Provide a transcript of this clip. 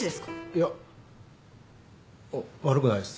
いや悪くないです。